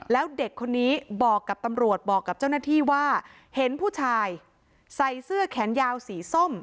แล้วเด็กคนนี้บอกกับตำรวจบอกกับเจ้าหน้าที่ว่าเห็นผู้ชายใส่เสื้อแขนยาวสีส้ม